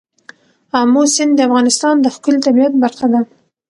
آمو سیند د افغانستان د ښکلي طبیعت برخه ده.